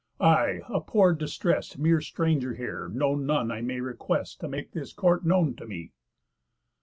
I, a poor distrest Mere stranger here, know none I may request To make this court known to me."